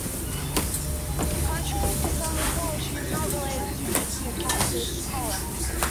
Contrary to some reports, she is not related to Bootsy and Catfish Collins.